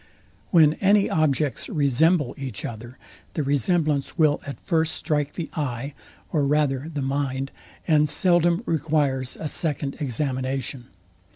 When any objects resemble each other, the resemblance will at first strike the eye, or rather the mind; and seldom requires a second examination.